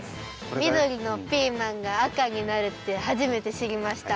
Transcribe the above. みどりのピーマンがあかになるってはじめてしりました。